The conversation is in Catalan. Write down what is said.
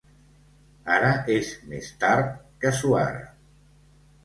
Ara és més tard que suara.